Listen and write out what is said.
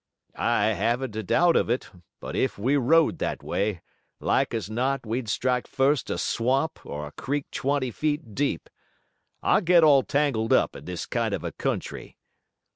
"I haven't a doubt of it, but if we rode that way like as not we'd strike first a swamp, or a creek twenty feet deep. I get all tangled up in this kind of a country."